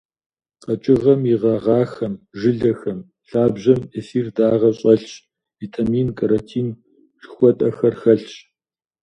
Къэкӏыгъэм и гъэгъахэм, жылэхэм, лъабжьэм эфир дагъэ щӏэлъщ, витмаин, каротин жыхуэтӏэхэр хэлъщ.